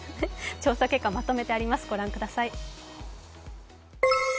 調査結果をまとめてあります、ご覧ください。